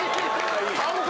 完璧！